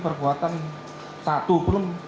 perkuatan satu pun